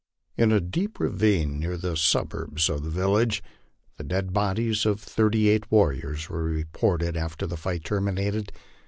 In a deep ravine near the suburbs of the village the dead bodies of thirty eight warriors were reported after the fight terminated.